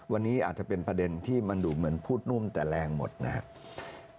วันนี้อาจจะเป็นประเด็นที่มันดูเหมือนพูดนุ่มแต่แรงหมดนะครับ